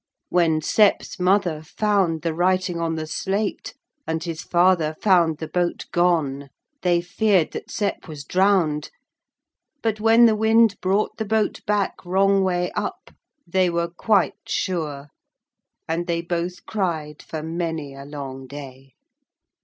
When Sep's mother found the writing on the slate, and his father found the boat gone they feared that Sep was drowned, but when the wind brought the boat back wrong way up, they were quite sure, and they both cried for many a long day.